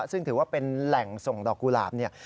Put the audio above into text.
ซึ่งถือว่าเป็นแหล่งส่งดอกกุหลาบเนี่ย